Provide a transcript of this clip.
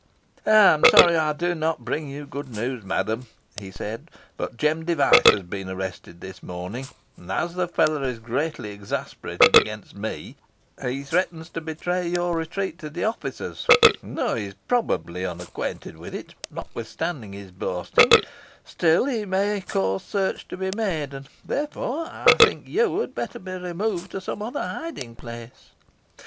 "I am sorry I do not bring you good news, madam," he said; "but Jem Device has been arrested this morning, and as the fellow is greatly exasperated against me, he threatens to betray your retreat to the officers; and though he is, probably, unacquainted with it notwithstanding his boasting, still he may cause search to be made, and, therefore, I think you had better be removed to some other hiding place."